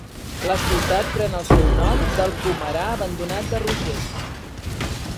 La ciutat pren el seu nom del pomerar abandonat de Rogers.